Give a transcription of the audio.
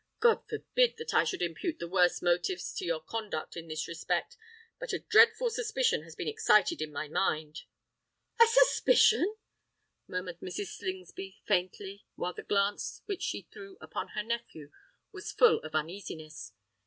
God forbid that I should impute the worst motives to your conduct in this respect: but a dreadful suspicion has been excited in my mind——" "A suspicion!" murmured Mrs. Slingsby faintly, while the glance which she threw upon her nephew was full of uneasiness.